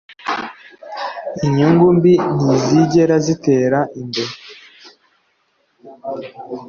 inyungu-mbi ntizigera zitera imbere